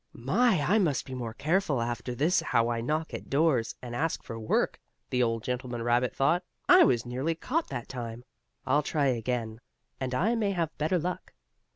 "My, I must be more careful after this how I knock at doors, and ask for work," the old gentleman rabbit thought. "I was nearly caught that time. I'll try again, and I may have better luck."